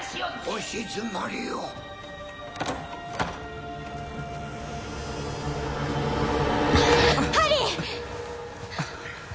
お静まりをハリー！